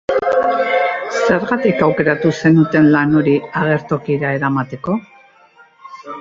Zergatik aukeratu zenuten lan hori agertokira eramateko?